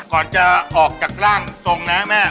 ก่อนจะออกจากร่างทรงนะแม่